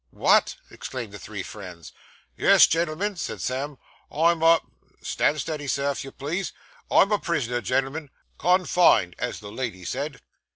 'What!' exclaimed the three friends. 'Yes, gen'l'm'n,' said Sam, 'I'm a stand steady, sir, if you please I'm a prisoner, gen'l'm'n. Con fined, as the lady said.